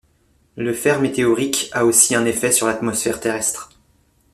Le fer météorique a aussi un effet sur l'atmosphère terrestre.